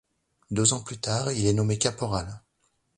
Deux ans plus tard, il est nommé caporal.